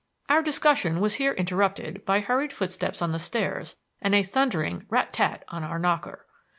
Our discussion was here interrupted by hurried footsteps on the stairs and a thundering rat tat on our knocker.